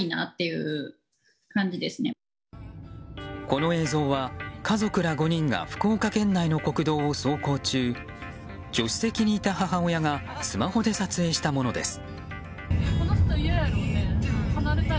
この映像は、家族ら５人が福岡県内の国道を走行中助手席にいた母親がスマホで撮影したものです。